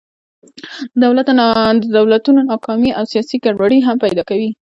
د دولتونو ناکامي او سیاسي ګډوډۍ هم پیدا کوي.